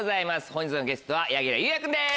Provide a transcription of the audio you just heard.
本日のゲストは柳楽優弥君です。